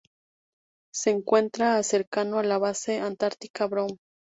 Se encuentra cercano a la Base Antártica Brown.